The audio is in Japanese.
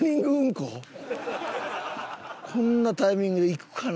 こんなタイミングで行くかな？